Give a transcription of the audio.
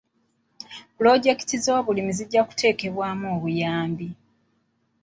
Pulojekiti z'obulimi zijja kuteekebwamu obuyambi.